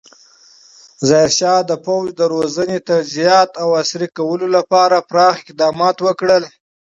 ظاهرشاه د پوځ د روزنې، تجهیزات او عصري کولو لپاره پراخ اقدامات وکړل.